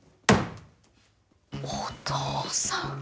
お父さん。